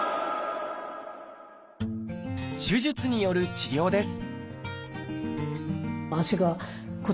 手術による治療です